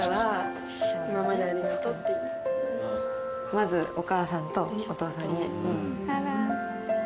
まずお母さんとお父さんにね。